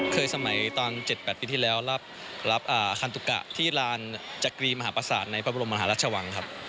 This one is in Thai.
สมัยตอน๗๘ปีที่แล้วรับคันตุกะที่ลานจักรีมหาประสาทในพระบรมมหาราชวังครับ